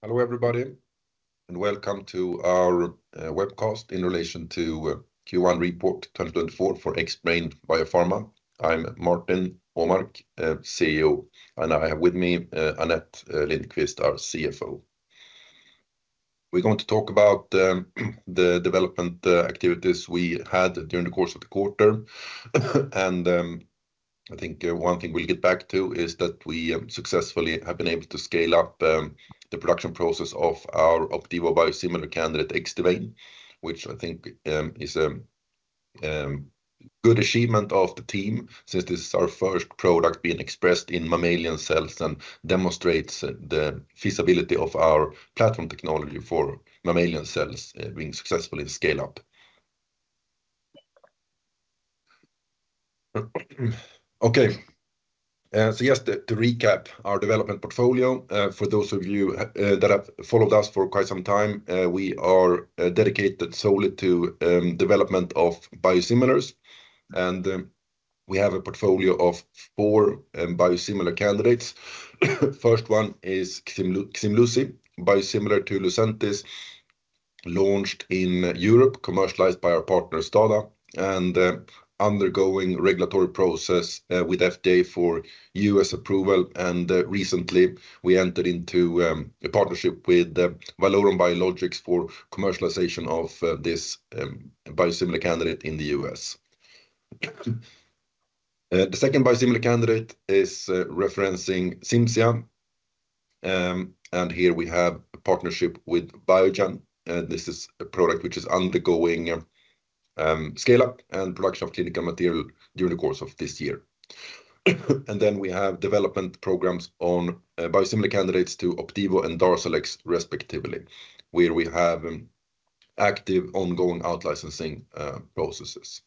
Hello, everybody, and welcome to our webcast in relation to Q1 report, 2024 for Xbrane Biopharma. I'm Martin Åmark, CEO, and I have with me, Anette Lindqvist, our CFO. We're going to talk about the development activities we had during the course of the quarter. I think one thing we'll get back to is that we successfully have been able to scale up the production process of our Opdivo biosimilar candidate, Xdivane, which I think is good achievement of the team, since this is our first product being expressed in mammalian cells and demonstrates the feasibility of our platform technology for mammalian cells being successfully scaled up. Okay, so just to recap our development portfolio, for those of you that have followed us for quite some time, we are dedicated solely to development of biosimilars, and we have a portfolio of four biosimilar candidates. First one is Ximluci, biosimilar to Lucentis, launched in Europe, commercialized by our partner STADA, and undergoing regulatory process with FDA for U.S. approval. Recently, we entered into a partnership with Valorum Biologics for commercialization of this biosimilar candidate in the U.S. The second biosimilar candidate is referencing Cimzia. Here we have a partnership with Biogen. This is a product which is undergoing scale up and production of clinical material during the course of this year. Then, we have development programs on biosimilar candidates to Opdivo and DARZALEX, respectively, where we have active, ongoing out-licensing processes.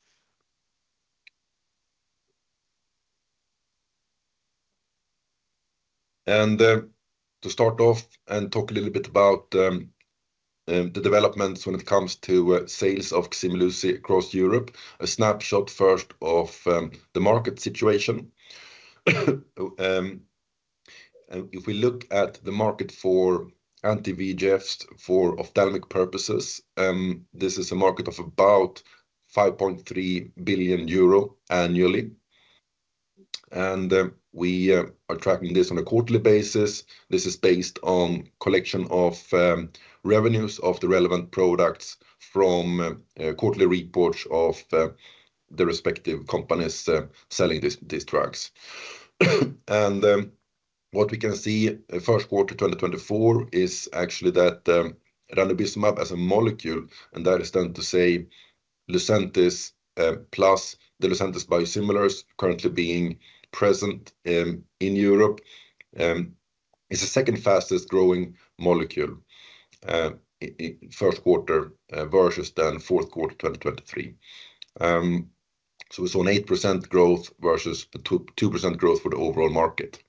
To start off and talk a little bit about the developments when it comes to sales of Ximluci across Europe. A snapshot first of the market situation. If we look at the market for Anti-VEGF for ophthalmic purposes, this is a market of about 5.3 billion euro annually, and we are tracking this on a quarterly basis. This is based on collection of revenues of the relevant products from quarterly reports of the respective companies selling these drugs. What we can see, first quarter 2024 is actually that Ranibizumab as a molecule, and that is to say Lucentis, plus the Lucentis biosimilars currently being present in Europe, is the second fastest growing molecule in first quarter versus the fourth quarter 2023. So it's on 8% growth versus 2.2% growth for the overall market.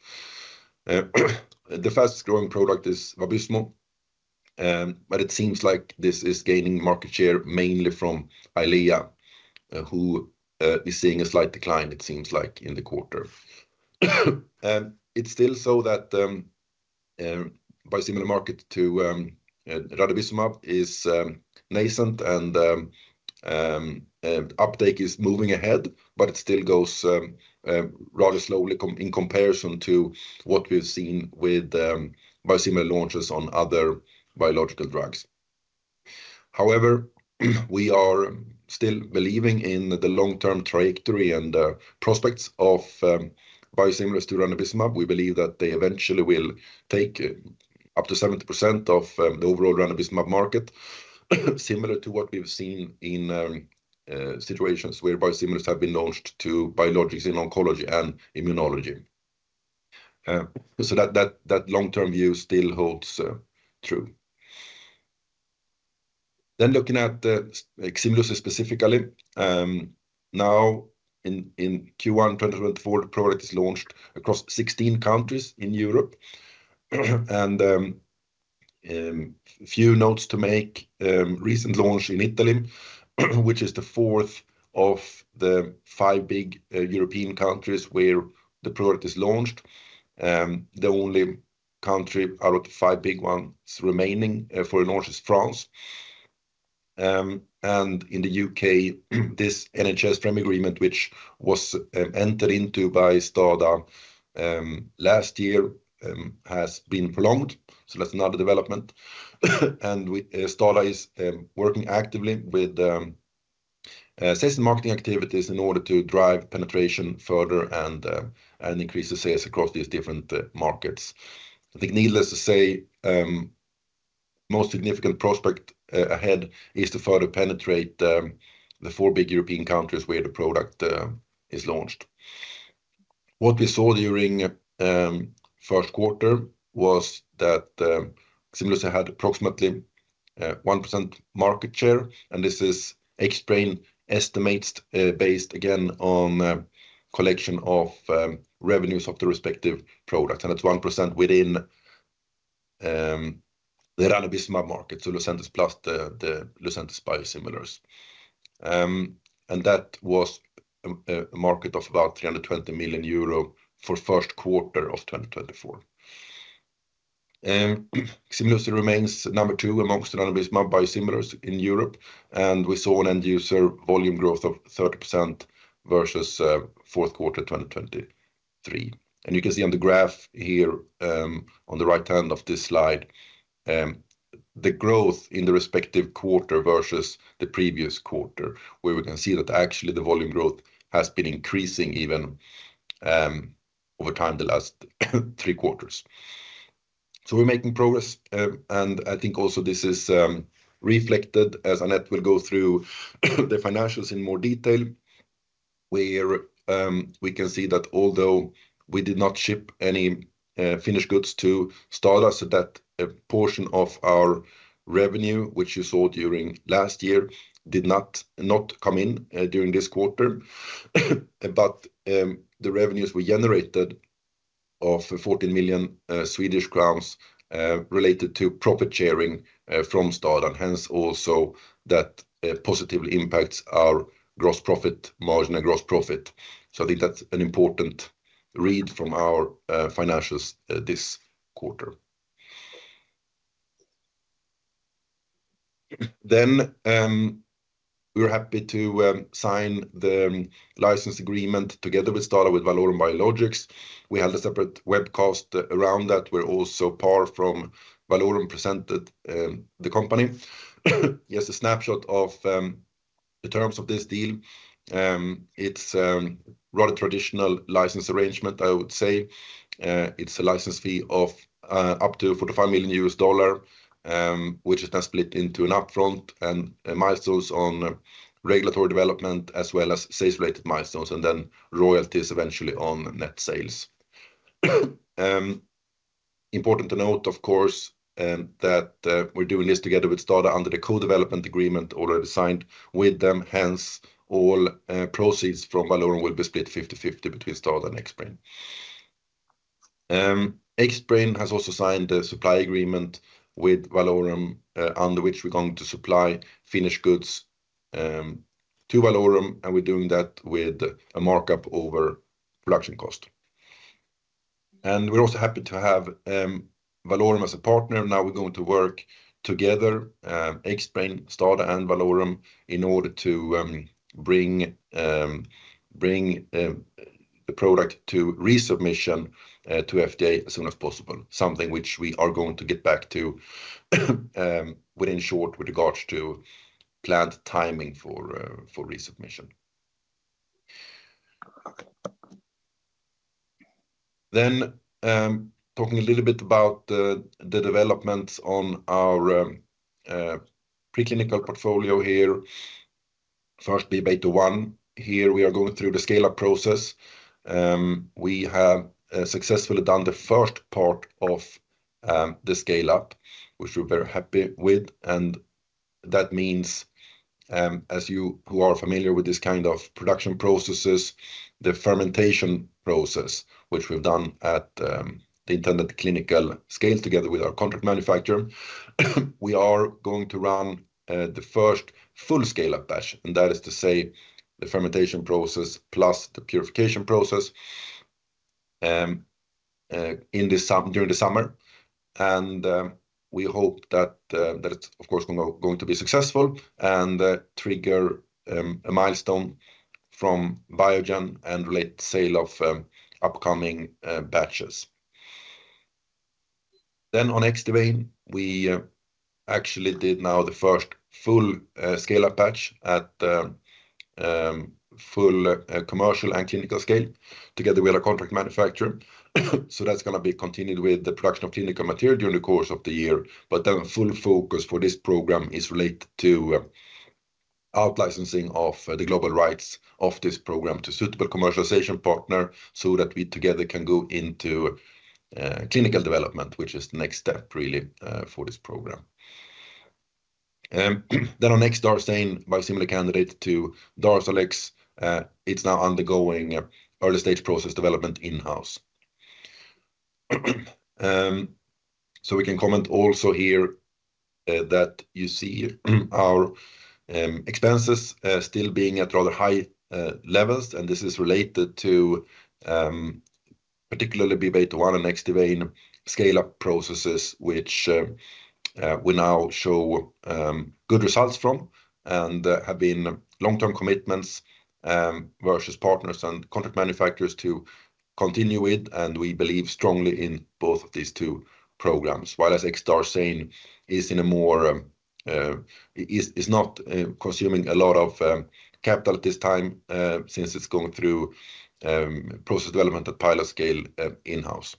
The fastest growing product is Vabysmo, but it seems like this is gaining market share, mainly from Eylea, who is seeing a slight decline, it seems like, in the quarter. It's still so that the biosimilar market to Ranibizumab is nascent and uptake is moving ahead, but it still goes rather slowly in comparison to what we've seen with biosimilar launches on other biological drugs. However, we are still believing in the long-term trajectory and prospects of biosimilars to Ranibizumab. We believe that they eventually will take up to 70% of the overall Ranibizumab market, similar to what we've seen in situations where biosimilars have been launched to biologics in oncology and immunology. So that long-term view still holds true. Then, looking at the Ximluci specifically, now in Q1, 2024, the product is launched across 16 countries in Europe. And few notes to make, recent launch in Italy, which is the fourth of the five big European countries where the product is launched. The only country out of the five big ones remaining for launch is France. And in the UK, this NHS frame agreement, which was entered into by STADA last year, has been prolonged, so that's another development. And we, STADA is working actively with sales and marketing activities in order to drive penetration further and increase the sales across these different markets. I think needless to say, most significant prospect ahead is to further penetrate the four big European countries where the product is launched. What we saw during first quarter was that Ximluci had approximately 1% market share, and this is Xbrane estimates based, again, on collection of revenues of the respective products, and that's 1% within the Ranibizumab market, so Lucentis plus the Lucentis biosimilars. And that was... A market of about 320 million euro for first quarter of 2024. Ximluci remains number two amongst Ranibizumab biosimilars in Europe, and we saw an end user volume growth of 30% versus fourth quarter, 2023. And you can see on the graph here, on the right-hand of this slide, the growth in the respective quarter versus the previous quarter, where we can see that actually the volume growth has been increasing even over time, the last three quarters. So we're making progress, and I think also this is reflected, as Anette will go through the financials in more detail, where we can see that although we did not ship any finished goods to Stada, so that a portion of our revenue, which you saw during last year, did not come in during this quarter. But the revenues were generated of 14 million Swedish crowns related to profit sharing from STADA, and hence also that positively impacts our gross profit margin and gross profit. So I think that's an important read from our financials this quarter. Then we were happy to sign the license agreement together with STADA, with Valorum Biologics. We had a separate webcast around that, where also Pär from Valorum presented the company. Here's a snapshot of the terms of this deal. It's rather traditional license arrangement, I would say. It's a license fee of up to $45 million, which is then split into an upfront and milestones on regulatory development, as well as sales-related milestones, and then royalties eventually on net sales. Important to note, of course, that we're doing this together with STADA under the co-development agreement already signed with them. Hence, all proceeds from Valorum will be split 50/50 between STADA and Xbrane. Xbrane has also signed a supply agreement with Valorum, under which we're going to supply finished goods to Valorum, and we're doing that with a markup over production cost. And we're also happy to have Valorum as a partner. Now we're going to work together, Xbrane, STADA, and Valorum, in order to bring the product to resubmission to FDA as soon as possible, something which we are going to get back to within short with regards to planned timing for resubmission. Then, talking a little bit about the developments on our preclinical portfolio here. First, beta-1. Here, we are going through the scale-up process. We have successfully done the first part of the scale-up, which we're very happy with, and that means, as you who are familiar with this kind of production processes, the fermentation process, which we've done at the intended clinical scale together with our contract manufacturer, we are going to run the first full scale-up batch, and that is to say, the fermentation process plus the purification process during the summer. We hope that that it's, of course, going to be successful and trigger a milestone from Biogen and later sale of upcoming batches. Then on Xdivane, we actually did now the first full scale-up batch at full commercial and clinical scale together with our contract manufacturer. So that's gonna be continued with the production of clinical material during the course of the year. But then full focus for this program is related to out-licensing of the global rights of this program to suitable commercialization partner, so that we together can go into clinical development, which is the next step, really, for this program. Then on Xdorsane, biosimilar candidate to DARZALEX, it's now undergoing an early stage process development in-house. So we can comment also here that you see our expenses still being at rather high levels, and this is related to particularly beta-1 and Xdivane scale-up processes, which we now show good results from and have been long-term commitments versus partners and contract manufacturers to continue with, and we believe strongly in both of these two programs. Whereas Xdorsane is in a more, is not consuming a lot of capital at this time, since it's going through process development at pilot scale in-house.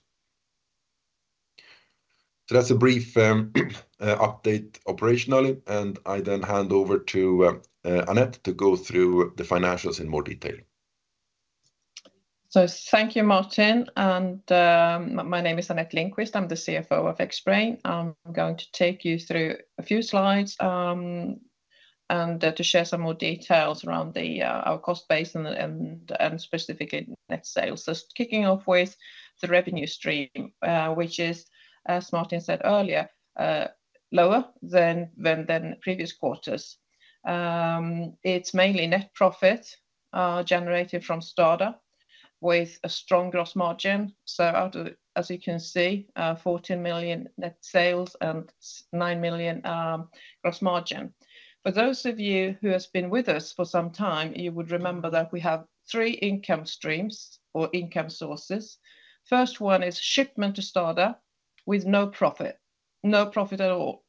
So that's a brief update operationally, and I then hand over to Anette to go through the financials in more detail. So thank you, Martin, and my name is Anette Lindqvist. I'm the CFO of Xbrane. I'm going to take you through a few slides and to share some more details around our cost base and specifically net sales. So kicking off with the revenue stream, which is, as Martin said earlier, lower than previous quarters. It's mainly net profit generated from STADA, with a strong gross margin. So out of it, as you can see, 14 million net sales and 9 million gross margin. For those of you who has been with us for some time, you would remember that we have three income streams or income sources. First one is shipment to STADA with no profit, no profit at all.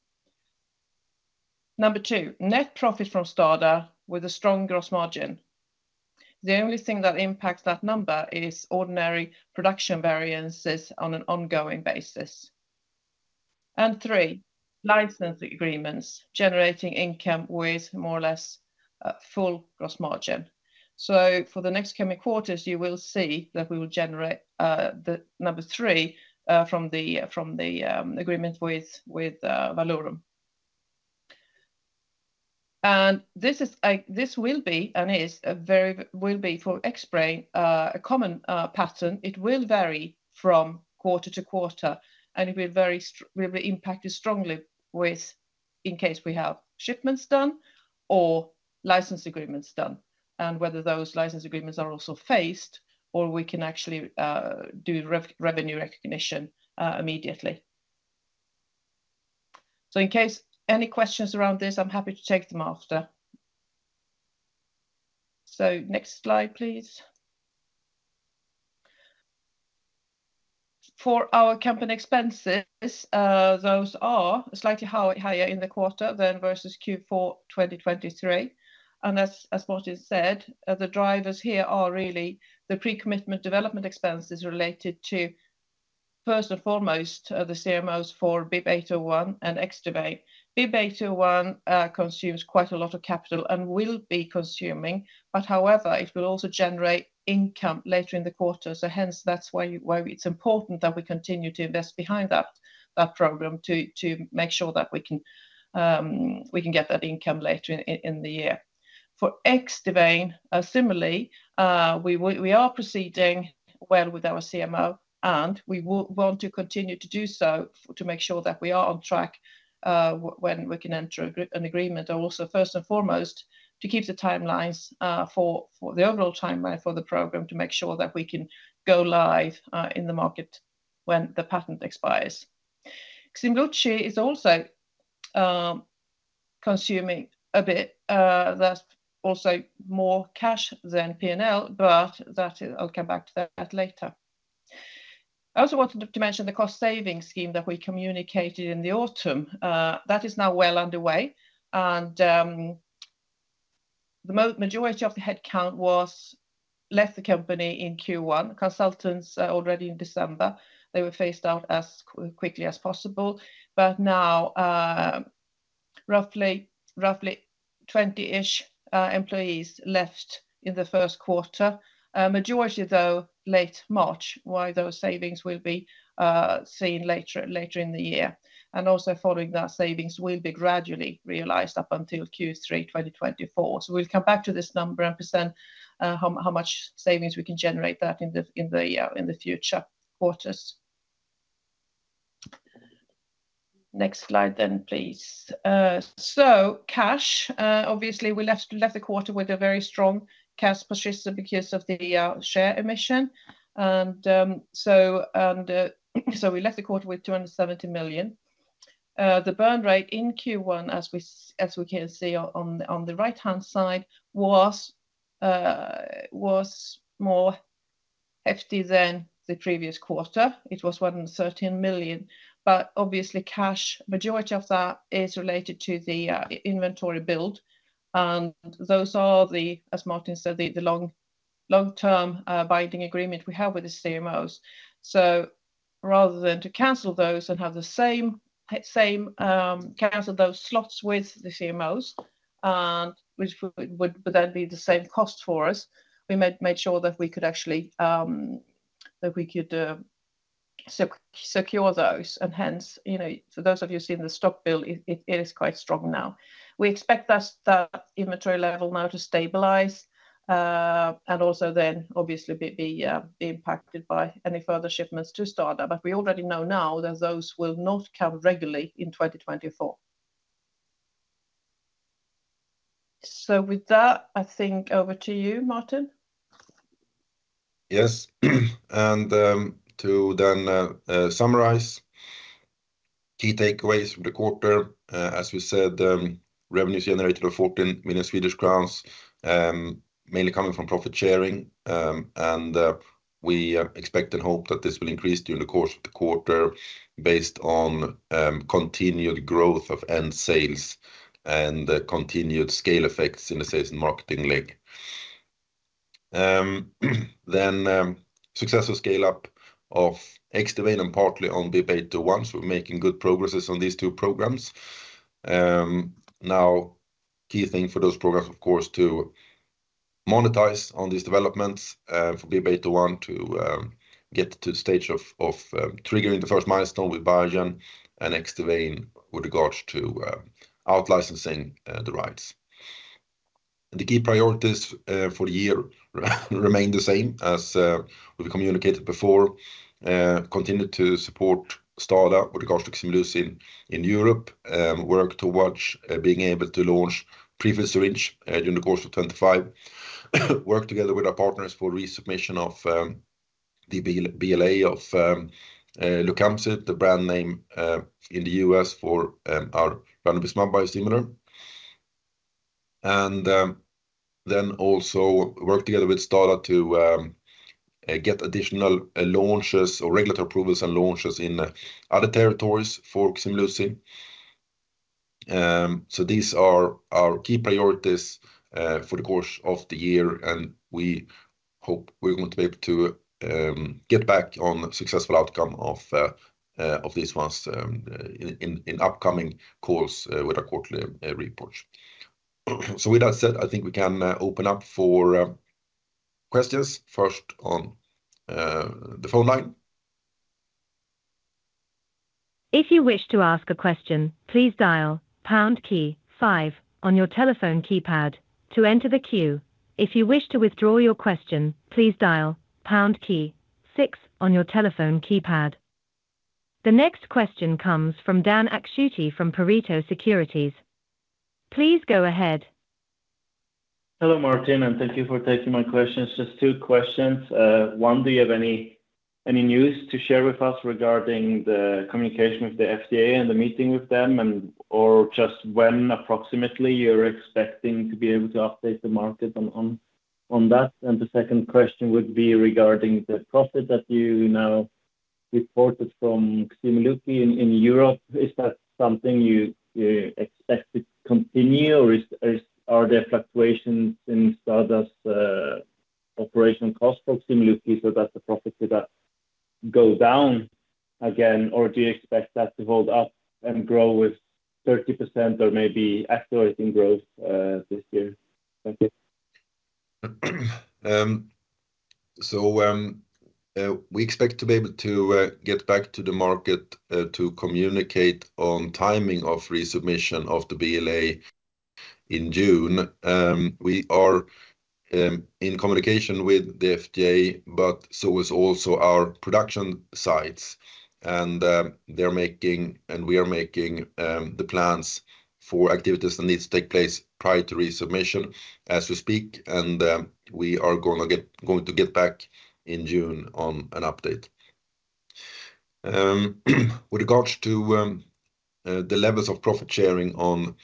Number two, net profit from STADA with a strong gross margin. The only thing that impacts that number is ordinary production variances on an ongoing basis. And three, license agreements generating income with more or less full gross margin. So for the next coming quarters, you will see that we will generate the number three from the agreement with Valorum. And this is, this will be and is a very common pattern for Xbrane. It will vary from quarter to quarter, and it will be impacted strongly, in case we have shipments done or license agreements done, and whether those license agreements are also phased, or we can actually do revenue recognition immediately. So in case any questions around this, I'm happy to take them after. So next slide, please. For our company expenses, those are slightly higher in the quarter than versus Q4 2023. And as Martin said, the drivers here are really the pre-commitment development expenses related to, first and foremost, the CMOs for BIIB801 and Xdivane. BIIB801 consumes quite a lot of capital and will be consuming, but however, it will also generate income later in the quarter. So hence, that's why it's important that we continue to invest behind that program, to make sure that we can get that income later in the year. For Xdivane, similarly, we are proceeding well with our CMO, and we want to continue to do so to make sure that we are on track, when we can enter an agreement. And also, first and foremost, to keep the timelines for the overall timeline for the program to make sure that we can go live in the market when the patent expires. Ximluci is also consuming a bit, that's also more cash than P&L, but that, I'll come back to that later. I also wanted to mention the cost-saving scheme that we communicated in the autumn. That is now well underway, and the majority of the headcount was left the company in Q1. Consultants already in December, they were phased out as quickly as possible. But now, roughly 20 employees left in the first quarter, majority, though, late March. While those savings will be seen later in the year, and also following that, savings will be gradually realized up until Q3 2024. So we'll come back to this number and present how much savings we can generate that in the future quarters. Next slide, then, please. So cash, obviously, we left the quarter with a very strong cash position because of the share emission. So we left the quarter with 270 million. The burn rate in Q1, as we can see on the right-hand side, was more hefty than the previous quarter. It was 113 million. But obviously, cash, majority of that is related to the inventory build, and those are the, as Martin said, the long-term binding agreement we have with the CMOs. So rather than to cancel those and have the same, cancel those slots with the CMOs, which would then be the same cost for us, we made sure that we could actually, that we could, secure those. And hence, you know, for those of you who've seen the stock build, it is quite strong now. We expect that, the inventory level now to stabilize, and also then obviously be impacted by any further shipments to STADA. But we already know now that those will not come regularly in 2024. So with that, I think over to you, Martin. Yes. And to then summarize key takeaways from the quarter, as we said, revenues generated are 14 million Swedish crowns, mainly coming from profit sharing. And we expect and hope that this will increase during the course of the quarter, based on continued growth of end sales and the continued scale effects in the sales and marketing leg. Then successful scale-up of Xdivane and partly on BIIB801, so we're making good progresses on these two programs. Now, key thing for those programs, of course, to monetize on these developments, for BIIB021 to get to the stage of triggering the first milestone with Biogen and Xdivane with regards to out-licensing the rights. And the key priorities for the year remain the same as we communicated before. Continue to support STADA with regards to Ximluci in Europe, work towards being able to launch prefilled syringe during the course of 2025. Work together with our partners for resubmission of the BLA of Lucamzi, the brand name, in the U.S. for our Ranibizumab biosimilar. Then also work together with STADA to get additional launches or regulatory approvals and launches in other territories for Ximluci. So these are our key priorities for the course of the year, and we hope we're going to be able to get back on successful outcome of these ones in upcoming calls with our quarterly reports. So with that said, I think we can open up for questions first on the phone line. If you wish to ask a question, please dial pound key five on your telephone keypad to enter the queue. If you wish to withdraw your question, please dial pound key six on your telephone keypad. The next question comes from Dan Akschuti from Pareto Securities. Please go ahead. Hello, Martin, and thank you for taking my questions. Just two questions. One, do you have any news to share with us regarding the communication with the FDA and the meeting with them, and or just when approximately you're expecting to be able to update the market on that? And the second question would be regarding the profit that you now reported from Ximluci in Europe. Is that something you expect to continue, or are there fluctuations in STADA's operational cost for Ximluci so that the profits will go down again? Or do you expect that to hold up and grow with 30% or maybe accelerating growth this year? Thank you. So, we expect to be able to get back to the market to communicate on timing of resubmission of the BLA in June. We are in communication with the FDA, but so is also our production sites. And, they're making and we are making the plans for activities that needs to take place prior to resubmission, as we speak. And, we are going to get back in June on an update. With regards to the levels of profit sharing on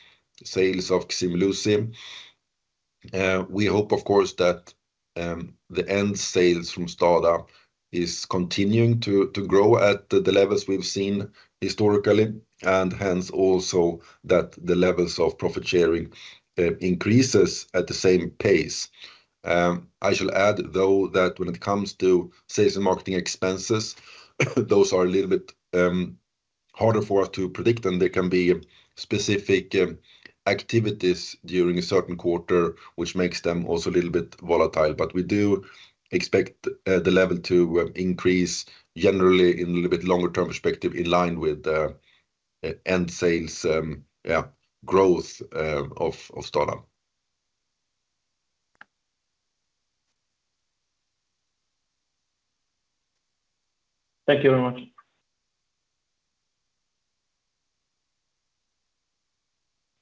sales of Ximluci, we hope, of course, that the end sales from STADA is continuing to grow at the levels we've seen historically, and hence, also, that the levels of profit sharing increases at the same pace. I shall add, though, that when it comes to sales and marketing expenses, those are a little bit harder for us to predict, and they can be specific activities during a certain quarter, which makes them also a little bit volatile. But we do expect the level to increase generally in a little bit longer-term perspective, in line with the net sales, yeah, growth of STADA. Thank you very much.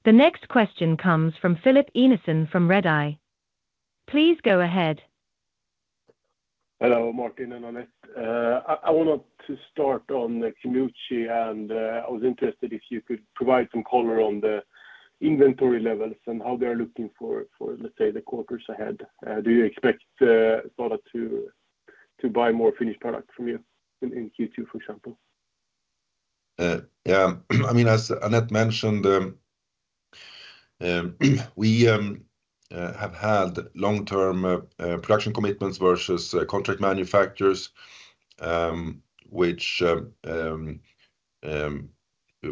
The next question comes from Filip Einarsson from Redeye. Please go ahead. Hello, Martin and Anette. I wanted to start on the Ximluci, and I was interested if you could provide some color on the inventory levels and how they are looking for, let's say, the quarters ahead. Do you expect STADA to buy more finished product from you in Q2, for example? Yeah. I mean, as Anette mentioned, we have had long-term production commitments versus contract manufacturers, which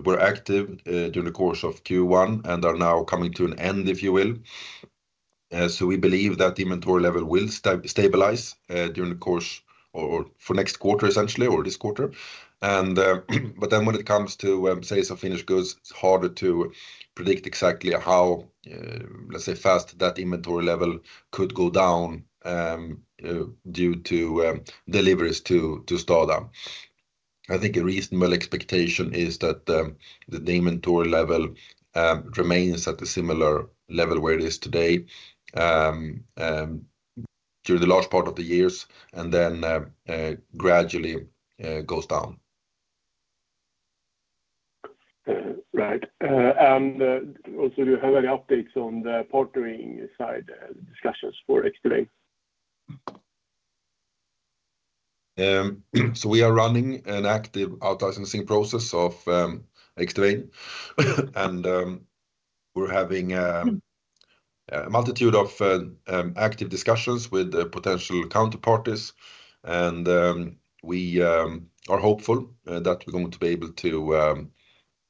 were active during the course of Q1 and are now coming to an end, if you will. So we believe that the inventory level will stabilize during the course or for next quarter, essentially, or this quarter. And, but then when it comes to sales of finished goods, it's harder to predict exactly how, let's say, fast that inventory level could go down due to deliveries to STADA. I think a reasonable expectation is that the inventory level remains at a similar level where it is today through the large part of the years, and then gradually goes down. Right. Also, do you have any updates on the partnering side, discussions for Xdivane? So we are running an active out licensing process of Xdivane. And we're having a multitude of active discussions with the potential counterparties. And we are hopeful that we're going to be able to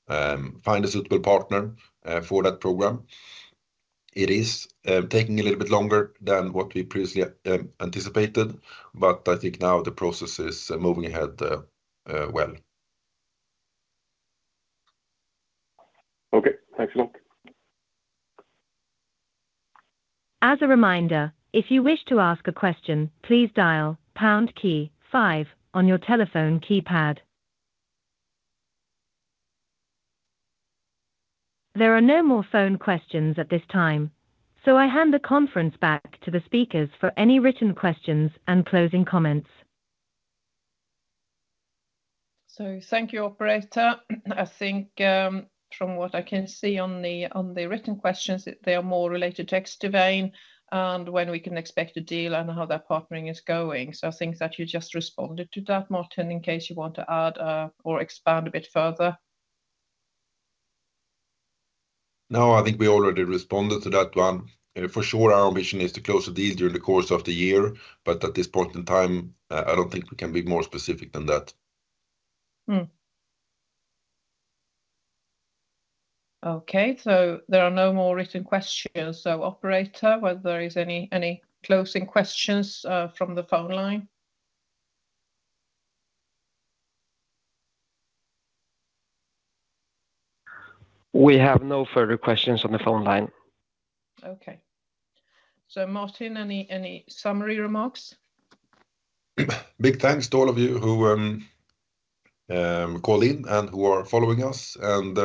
find a suitable partner for that program. It is taking a little bit longer than what we previously anticipated, but I think now the process is moving ahead well. Okay, thanks a lot. As a reminder, if you wish to ask a question, please dial pound key five on your telephone keypad. There are no more phone questions at this time, so I hand the conference back to the speakers for any written questions and closing comments. So thank you, operator. I think, from what I can see on the written questions, they are more related to Xdivane and when we can expect a deal and how that partnering is going. So I think that you just responded to that, Martin, in case you want to add or expand a bit further. No, I think we already responded to that one. For sure, our ambition is to close the deal during the course of the year, but at this point in time, I don't think we can be more specific than that. Okay, so there are no more written questions. So, operator, whether there is any closing questions from the phone line? We have no further questions on the phone line. Okay. So, Martin, any summary remarks? Big thanks to all of you who called in and who are following us. And,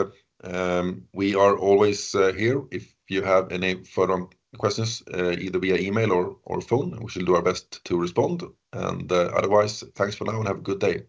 we are always here if you have any further questions, either via email or phone, we shall do our best to respond. And, otherwise, thanks for now and have a good day.